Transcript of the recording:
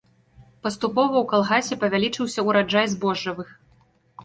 Паступова ў калгасе павялічыўся ўраджай збожжавых.